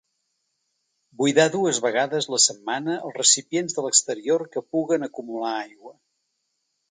Buidar dues vegades la setmana els recipients de l’exterior que puguen acumular aigua.